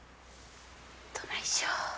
どないしよう。